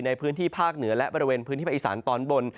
ในพื้นที่ภาคเหนือและบริเวณพื้นที่ภาคอีสานตอนบน